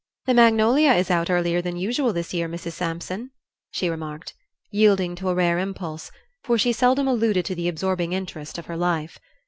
"The magnolia is out earlier than usual this year, Mrs. Sampson," she remarked, yielding to a rare impulse, for she seldom alluded to the absorbing interest of her life.